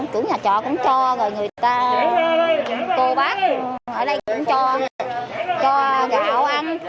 cửu nhà trọ cũng cho rồi người ta cô bác ở đây cũng cho cho gạo ăn